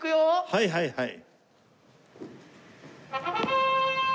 はいはいはい。